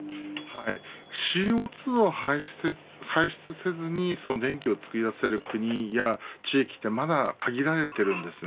ＣＯ２を排出せずに電気を作り出せる国や地域ってまだ限られているんですね。